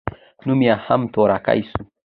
نوم يې هم تورکى سو.